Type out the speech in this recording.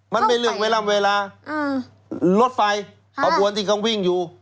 มันเป็นเรื่องเวลารถไฟขบวนที่เขาวิ่งอยู่